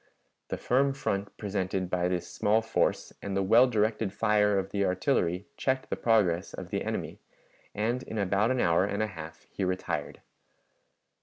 The firm front presented by this small force and the well directed fire of the artillery checked the progress of the enemy, and in about an hour and a half he retired.